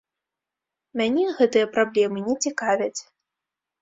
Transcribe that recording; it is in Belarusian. Мяне гэтыя праблемы не цікавяць.